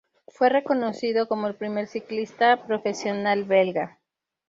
Fue reconocido como el primer ciclista profesional belga.